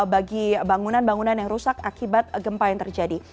bagi bangunan bangunan yang rusak akibat gempa yang terjadi